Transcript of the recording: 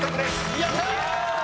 やった！